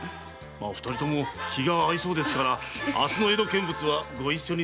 お二人とも気が合いそうですから明日の江戸見物はご一緒に。